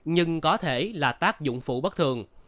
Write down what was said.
nhưng có thể là tác dụng phụ bất thường